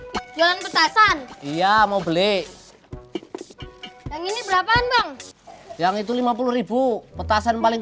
pejualan petasan iya mau beli yang ini berapaan bang yang itu lima puluh petasan paling